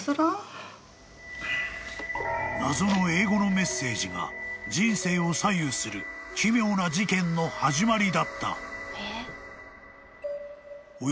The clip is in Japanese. ［謎の英語のメッセージが人生を左右する奇妙な事件の始まりだった］